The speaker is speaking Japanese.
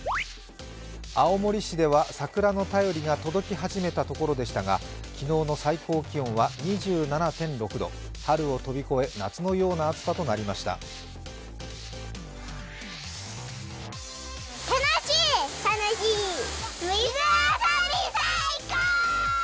青森市では桜の便りが届き始めたところでしたが昨日の最高気温は２７．６度、春を飛び越え夏のような暑さとなりました。